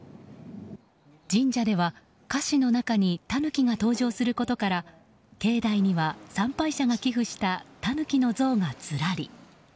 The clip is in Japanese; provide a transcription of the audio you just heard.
神社では歌詞の中にタヌキが登場することから境内には参拝者が寄付したタヌキの像が、ずらり。